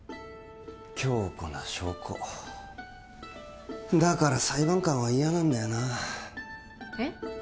強固な証拠だから裁判官は嫌なんだよなえっ？